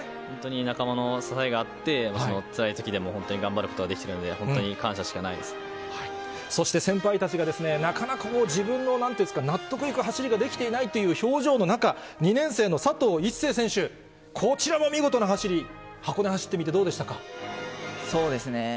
本当に仲間の支えがあって、つらいときでも本当に頑張ることができたので、本当に感謝しかなそして先輩たちが、なかなか自分のなんていうんですか、納得いく走りができていないという表情の中、２年生の佐藤一世選手、こちらも見事な走り、